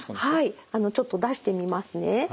はいちょっと出してみますね。